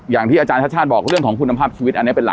อย่างที่อาจารย์ชาติชาติบอกเรื่องของคุณภาพชีวิตอันนี้เป็นหลัก